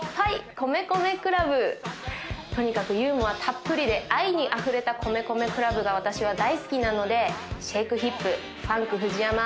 米米ＣＬＵＢ」とにかくユーモアたっぷりで愛にあふれた米米ＣＬＵＢが私は大好きなので「ＳｈａｋｅＨｉｐ！」「ＦＵＮＫＦＵＪＩＹＡＭＡ」